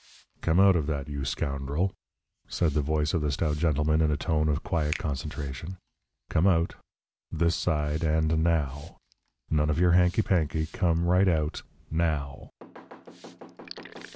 "Come out of that, you scoundrel!" said the voice of the stout gentleman in a tone of quiet concentration. "Come out. This side, and now. None of your hanky panky come right out, now."